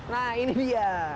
nah ini dia